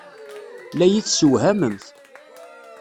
La iyi-tessewhamemt.